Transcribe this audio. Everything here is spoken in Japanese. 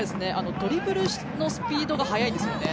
ドリブルのスピードが速いですよね。